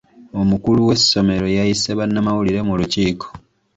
Omukulu w'essomero yayise bannamawulire mu lukiiko.